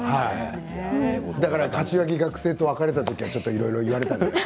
柏木学生と別れた時はいろいろ言われたでしょう？